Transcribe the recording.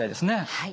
はい。